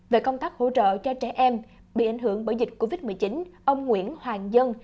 về công tác hỗ trợ cho trẻ em bị ảnh hưởng bởi dịch covid một mươi chín ông nguyễn hoàng dân